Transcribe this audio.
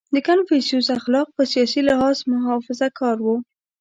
• د کنفوسیوس اخلاق په سیاسي لحاظ محافظهکار وو.